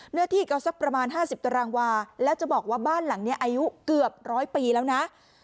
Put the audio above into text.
เนื้อที่ก็สักประมาณ๕๐ตารางวาแล้วจะบอกว่าบ้านหลังนี้อายุเกือบร้อยปีแล้วนะ